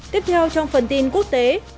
tiếp theo trong phần tin quốc tế